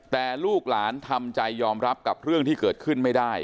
แต่ลูกหลานทำใจยอมรับกับเรื่องที่เกิดขึ้นไม่ได้